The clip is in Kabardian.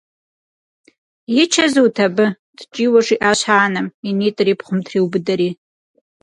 И чэзут абы?! – ткӀийуэ жиӀащ анэм, и нитӀыр и пхъум триубыдэри.